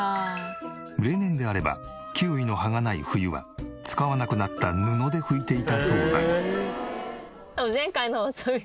例年であればキウイの葉がない冬は使わなくなった布で拭いていたそうだ。